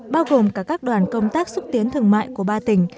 bao gồm cả các đoàn công tác xúc tiến thương mại của ba tỉnh